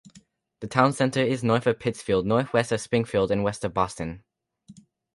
The town center is north of Pittsfield, northwest of Springfield and west of Boston.